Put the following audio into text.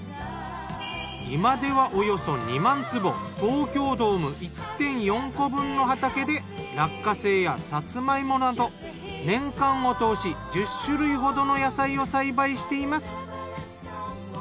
今ではおよそ２万坪東京ドーム１．４個分の畑で落花生やさつま芋など年間を通し１０種類ほどの野菜を栽培しています。